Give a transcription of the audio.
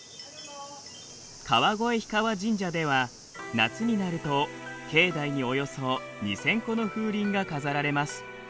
川越氷川神社では夏になると境内におよそ２，０００個の風鈴が飾られます。